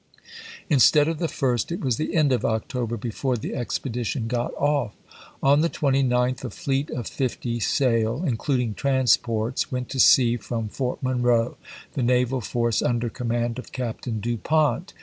Instead of the first, it was the end of October before the expedition got off. On the 29th, a fleet of fifty sail, including transports, went to sea from Fort Monroe, the naval force under command of Captain Du Pont.